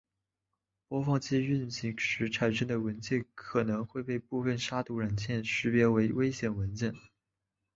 播放器运行时产生的文件可能会被部分杀毒软件识别为危险文件。